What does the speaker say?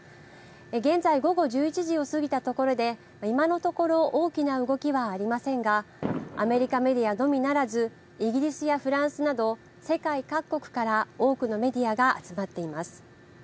現在午後１１時を過ぎたところで今のところ大きな動きはありませんがアメリカメディアのみならずイギリスやフランスなど世界各国から多くのメディアが集まっています。